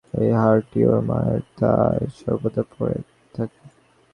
এই হারটি ওর মায়ের, তাই সর্বদা পরে থাকে।